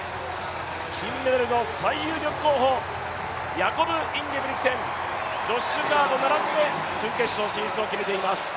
ヤコブ・インゲブリクセン、ジョッシュ・カーと並んで準決勝進出を決めています。